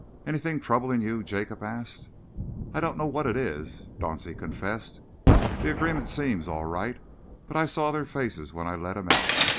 "Anything troubling you?" Jacob asked. "I don't know what it is," Dauncey confessed. "The agreement seems all right, but I saw their faces when I let 'em out.